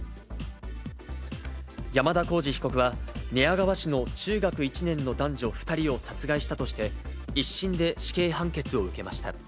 山田浩二被告は寝屋川市の中学１年の男女２人を殺害したとして、１審で死刑判決を受けました。